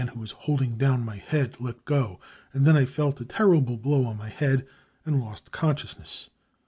«« holding down my head let go. and S»Tm. a terrible blow on my head anddos. con sciousness.